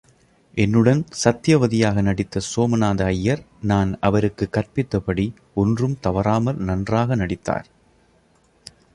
என்னுடன் சத்யவதியாக நடித்த சோமநாத ஐயர், நான் அவருக்குக் கற்பித்தபடி ஒன்றும் தவறாமல் நன்றாக நடித்தார்.